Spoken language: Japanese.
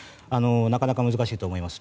なかなか難しいと思います。